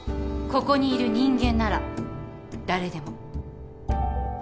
ここにいる人間なら誰でも。